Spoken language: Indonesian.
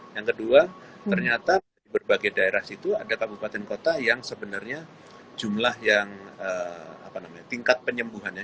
yang kedua ternyata di berbagai daerah situ ada kabupaten kota yang sebenarnya jumlah yang tingkat penyembuhannya